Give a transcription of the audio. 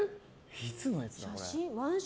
いつのやつだ、これ。